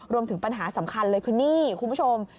รวมถึงปัญหาสำคัญเลยคือนี่คุณผู้ชม